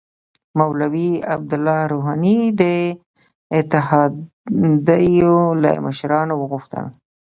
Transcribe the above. مولوی عبدالله روحاني د اتحادیو له مشرانو وغوښتل